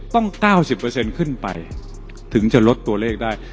๙๐ขึ้นไปถึงจะลดตัวเลขได้